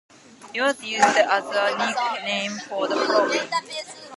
It was used as a nickname for the following.